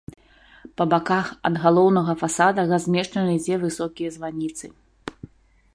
Па баках ад галоўнага фасада размешчаны дзве высокія званіцы.